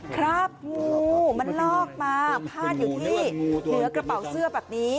ครับงูมันลอกมาพาดอยู่ที่เหนือกระเป๋าเสื้อแบบนี้